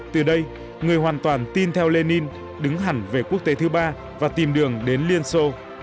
từ đây người hoàn toàn tin theo lenin đứng hẳn về quốc tế thứ ba và tìm đường đến liên xô